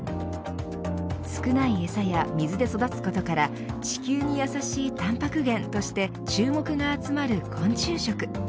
少ない餌や水で育つことから地球に優しいタンパク源として注目が集まる昆虫食。